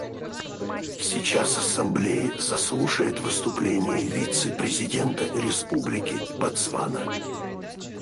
Сейчас Ассамблея заслушает выступление вице-президента Республики Ботсвана.